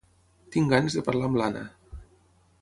Tinc ganes de parlar amb l'Anna.